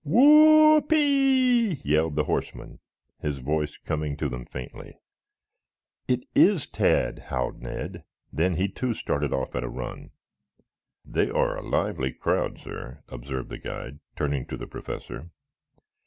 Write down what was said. "Whoo oo pee!" yelled the horseman, his voice coming to them faintly. "It is Tad!" howled Ned, then he too started off at a run. "They are a lively crowd, sir," observed the guide, turning to the Professor.